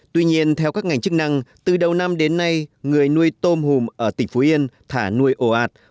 tuy nhiên theo các ngành chức năng từ đầu năm đến nay người nuôi tôm hùm ở tỉnh phú yên thả nuôi ổ ạt